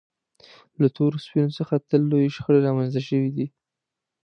له تورو سپینو څخه تل لویې شخړې رامنځته شوې دي.